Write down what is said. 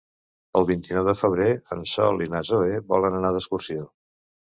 El vint-i-nou de febrer en Sol i na Zoè volen anar d'excursió.